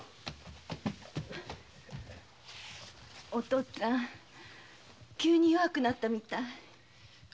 お父っつぁん急に弱くなったみたい。